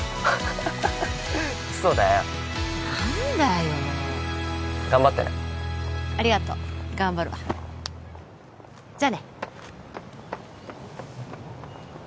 ウソだよ何だよ頑張ってねありがとう頑張るわじゃあね